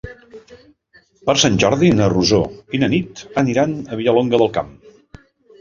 Per Sant Jordi na Rosó i na Nit aniran a Vilallonga del Camp.